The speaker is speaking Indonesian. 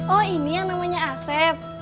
oh ini yang namanya asep